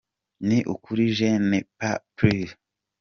Ni ukuli je n’en peux plus !”